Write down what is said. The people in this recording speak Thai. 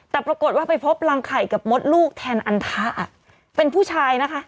แต่ปรากฏว่าไปพบรังไข่กับมดลูกแทนอันทะเป็นผู้ชายนะคะ